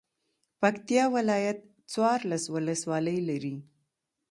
پکتيا ولايت څوارلس ولسوالۍ لری.